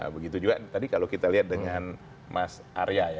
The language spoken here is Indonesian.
begitu juga tadi kalau kita lihat dengan mas arya ya